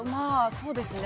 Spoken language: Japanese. ◆そうですね。